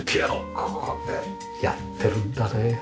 ここでやってるんだね。